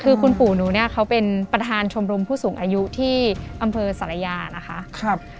คือคุณปู่หนูเนี่ยเขาเป็นประธานชมรมผู้สูงอายุที่อำเภอสารยานะคะ